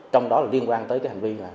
trong đó liên quan tới hành vi